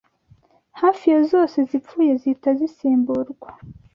hafi ya zose zipfuye, zihita zisimburwa